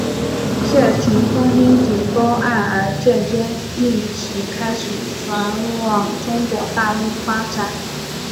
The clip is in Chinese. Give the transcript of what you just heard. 谢霆锋因顶包案而间接令其开始转往中国大陆发展。